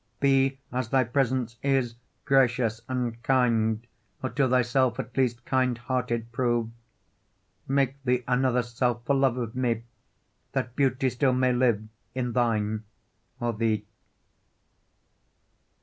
Be, as thy presence is, gracious and kind, Or to thyself at least kind hearted prove: Make thee another self for love of me, That beauty still may live in thine or thee.